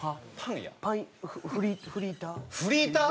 フリーター。